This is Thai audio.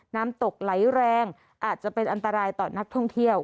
น้ำตกไหลแรงอาจจะเป็นอันตรายต่อนักท่องเที่ยว